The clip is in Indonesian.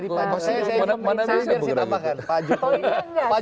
mana bisa kita tambahkan pak jokowi